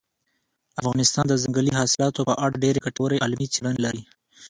افغانستان د ځنګلي حاصلاتو په اړه ډېرې ګټورې علمي څېړنې لري.